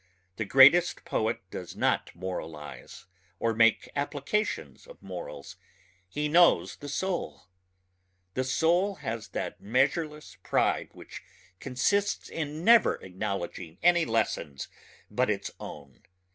The greatest poet does not moralize or make applications of morals ... he knows the soul. The soul has that measureless pride which consists in never acknowledging any lessons but its own.